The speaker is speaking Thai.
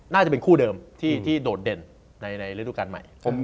น่าจะเป็นคู่เดิมที่โดดเด่นในฤดูการใหม่